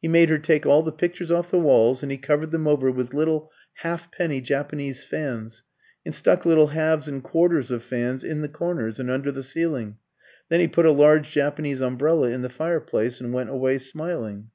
He made her take all the pictures off the walls, and he covered them over with little halfpenny Japanese fans, and stuck little halves and quarters of fans in the corners and under the ceiling. Then he put a large Japanese umbrella in the fireplace, and went away smiling."